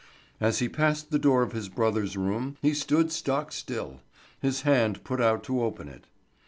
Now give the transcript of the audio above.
As he passed the door of his brother's room he stood stock still, his hand put out to open it.